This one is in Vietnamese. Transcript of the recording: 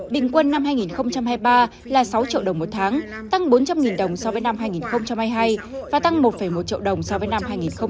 bình quân năm hai nghìn hai mươi ba là sáu triệu đồng một tháng tăng bốn trăm linh đồng so với năm hai nghìn hai mươi hai và tăng một một triệu đồng so với năm hai nghìn hai mươi hai